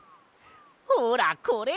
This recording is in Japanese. ほらこれ。